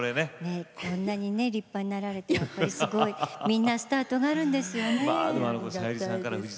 こんなに立派になられてみんなスタートがあるんですよね。